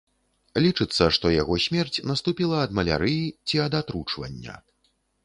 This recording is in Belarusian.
Лічыцца, што яго смерць наступіла ад малярыі ці ад атручвання.